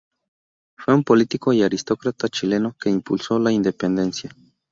Fue un político y aristócrata chileno que impulsó la independencia.